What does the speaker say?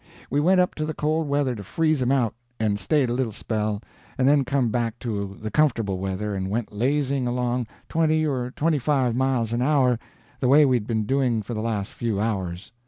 We went up to the cold weather to freeze 'em out, and stayed a little spell, and then come back to the comfortable weather and went lazying along twenty or twenty five miles an hour, the way we'd been doing for the last few hours.